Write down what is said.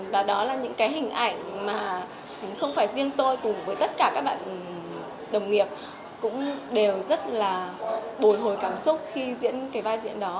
và đó là những cái hình ảnh mà không phải riêng tôi cùng với tất cả các bạn đồng nghiệp cũng đều rất là bồi hồi cảm xúc khi diễn cái vai diễn đó